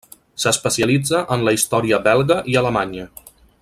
S'especialitza en la història belga i alemanya.